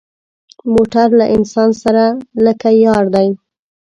موټر له انسان سره لکه یار دی.